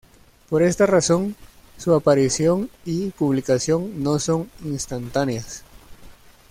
Por esta razón, su aparición y publicación no son instantáneas.